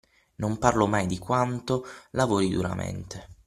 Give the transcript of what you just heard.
Non parlo mai di quanto lavori duramente.